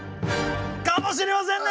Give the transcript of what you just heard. かもしれませんね。